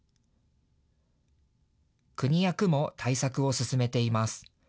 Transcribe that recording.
国や区も対策を進めています。